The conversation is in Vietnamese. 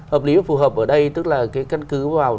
hợp lý và phù hợp ở đây tức là cái căn cứ vào